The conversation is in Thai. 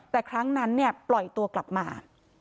แต่ครั้งนั้นปล่อยตัวกลับมา